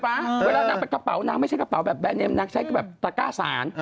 เวลานางไปกระเป๋านางไม่ใช่กระเป๋าแบบแนนเมมนางใช้แบบตะก้าสาร